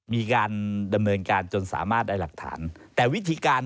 มีการดำเนินการจนสามารถได้หลักฐานแต่วิธีการ